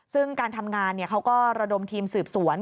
ซึ่งการทำงานเขาก็ระดมทีมสืบสวน